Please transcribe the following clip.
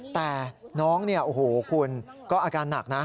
แต่น้องเนี่ยโอ้โหคุณก็อาการหนักนะ